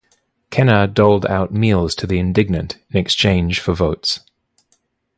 Kenna doled out meals to the indigent in exchange for votes.